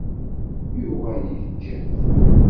Yuɣal yejja-t.